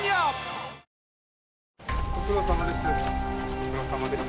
ご苦労さまです。